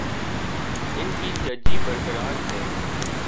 ان کی ججی برقرار ہے۔